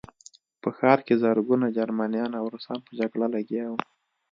په ښار کې زرګونه جرمنان او روسان په جګړه لګیا وو